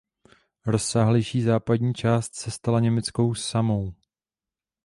Rozsáhlejší západní část se stala Německou Samou.